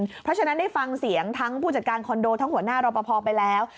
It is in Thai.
เพราะฉะนั้นได้ฟังเสียงทั้งผู้จัดการคอนโดทั้งหัวหน้ารอปภไปแล้ว